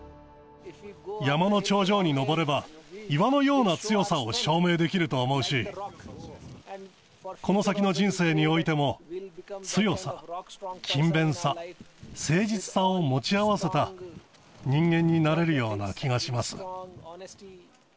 山の頂上に登れば、岩のような強さを証明できると思うし、この先の人生においても、強さ、勤勉さ、誠実さを持ち合わせた、人間になれるような気がします。